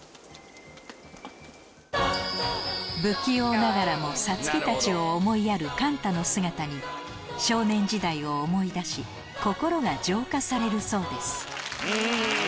不器用ながらもサツキたちを思いやるカンタの姿に少年時代を思い出し心が浄化されるそうです